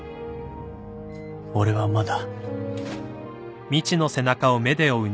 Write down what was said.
俺はまだ